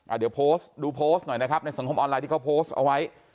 เดี๋ยวโพสต์ดูโพสต์หน่อยนะครับในสังคมออนไลน์ที่เขาโพสต์เอาไว้